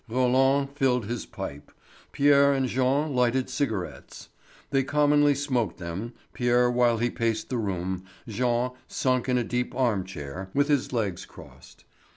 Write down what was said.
Roland filled his pipe; Pierre and Jean lighted cigarettes. They commonly smoked them, Pierre while he paced the room, Jean, sunk in a deep arm chair, with his legs crossed.